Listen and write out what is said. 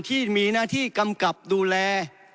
ที่มีหน้าที่กำกับดูแล